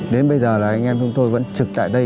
đến bây giờ là anh em chúng tôi vẫn trực tại đây